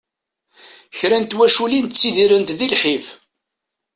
Kra n twaculin ttidirent di lḥif.